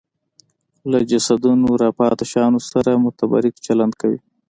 له جسدونو راپاتې شیانو سره متبرک چلند کوي